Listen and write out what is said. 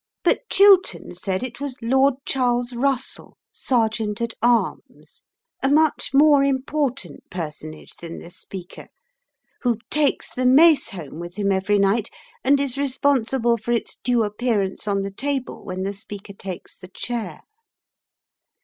But Chiltern said it was Lord Charles Russell, Sergeant at Arms, a much more important personage than the Speaker, who takes the Mace home with him every night, and is responsible for its due appearance on the table when the Speaker takes the chair.